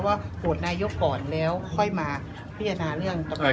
ว่าโหดนายกก่อนแล้วค่อยมาพัฒนาเรื่องต่อไป